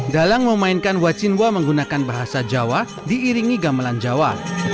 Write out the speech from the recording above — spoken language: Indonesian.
dalang memainkan wacinwa menggunakan bahasa jawa diiringi gamelan jawa